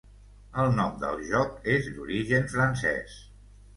El nom del joc és d'origen francès.